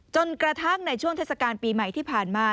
จนกระทั่งในช่วงเทศกาลปีใหม่ที่ผ่านมา